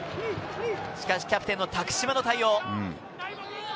しかし、キャプテンの多久島の対応。